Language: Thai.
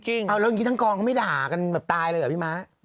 จริงแล้วอย่างนี้ทั้งกองเขาไม่ด่ากันแบบตายเลยเหรอพี่ม้า